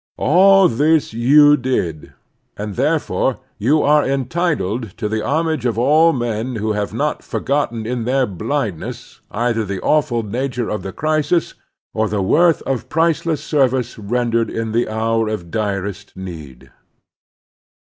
All this you did, and therefore you are entitled to the homage of all men who have not forgotten in their blindness either the awful nature of the crisis, or the worth of priceless service rendered in the hour of direst need.